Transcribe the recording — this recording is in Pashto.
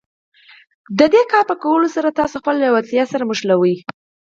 د دې کار په کولو سره تاسې خپله لېوالتیا سره نښلوئ.